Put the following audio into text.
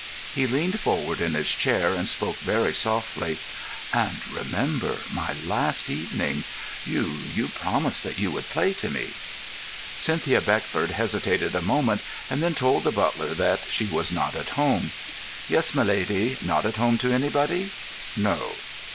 He leaned forward in his chair and spoke very softly. "And, remember, my last evening! You—you promised that you would play to me." Cynthia Beckford hesitated a moment, and then told the butler that she was not at home. "Yes, my lady. Not at home to anybody?" "No."